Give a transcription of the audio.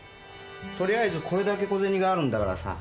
とりあえずこれだけ小銭があるんだからさ。